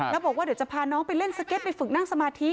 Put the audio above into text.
แล้วบอกว่าเดี๋ยวจะพาน้องไปเล่นสเก็ตไปฝึกนั่งสมาธิ